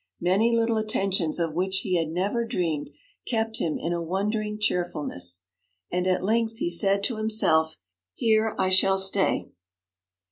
Many little attentions of which he had never dreamed kept him in a wondering cheerfulness. And at length he said to himself: 'Here I shall stay.'